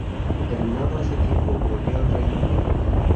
Terminado ese tiempo, volvió a Reino Unido.